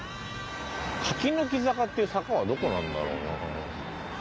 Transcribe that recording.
柿の木坂っていう坂はどこなんだろうな？